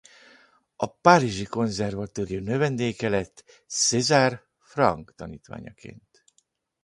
A Párizsi Konzervatórium növendéke lett César Franck tanítványaként.